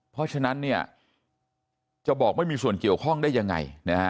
เพราะฉะนั้นเนี่ยจะบอกไม่มีส่วนเกี่ยวข้องได้ยังไง